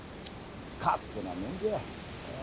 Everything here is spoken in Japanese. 勝手なもんじゃ。